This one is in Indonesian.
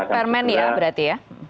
permen ya berarti ya